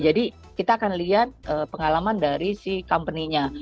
jadi kita akan lihat pengalaman dari si company nya